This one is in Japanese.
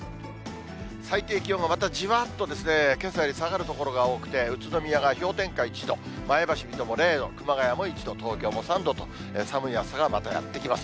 最低気温はまた、じわっとけさより下がる所が多くて、宇都宮が氷点下１度、前橋、水戸も０度、熊谷も１度、東京も３度と、寒い朝がまたやって来ます。